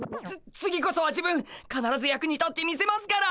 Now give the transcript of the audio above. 次こそは自分かならず役に立ってみせますから！